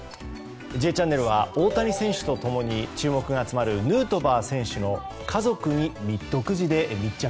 「Ｊチャンネル」は大谷選手と共に注目が集まるヌートバー選手の家族に独自で密着。